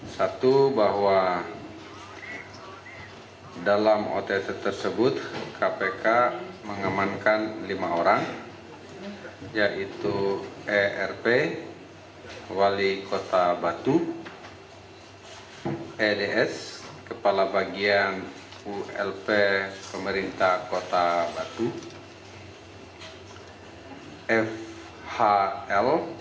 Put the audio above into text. satu bahwa dalam ott tersebut kpk mengemankan lima orang yaitu erp wali kota batu eds kepala bagian ulp pemerintah kota batu fhl